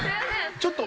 ちょっと。